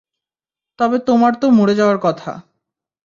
তবে তোমার তো মরে যাওয়ার কথা।